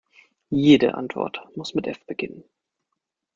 Jede Antwort muss mit F beginnen.